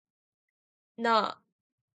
なあ